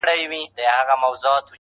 • یار نوشلی یې په نوم دمیو جام دی..